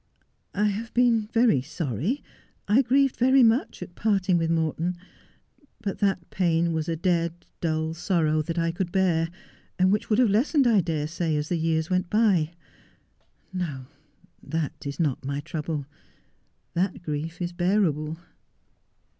' I have been very sorry — I grieved very much at parting with Morton — but that pain was a dead, dull sorrow that I could bear, and which would have lessened, I dare say, as the years went by. No, that is not my trouble. That grief is bearable.'